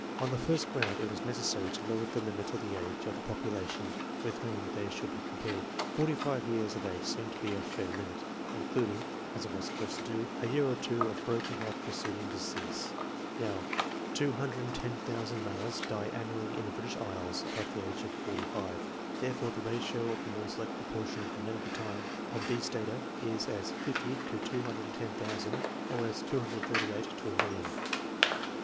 On the first ground, it was necessary to lower the limit of the age of the population with whom they should be compared. Forty five years of age seemed to me a fair limit, including, as it was supposed to do, a year or two of broken health preceding decease. Now, 210,000 males die annually in the British isles above the age of forty five ; therefore, the ratio of the more select portion of the " Men of the Time " on these data is as 50 to 210,000, or as 238 to a million.